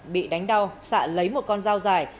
bị đánh đau xạ lấy một con dao dài